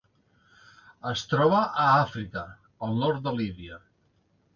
Es troba a Àfrica: el nord de Líbia.